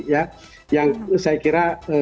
yang saya kira kita setuju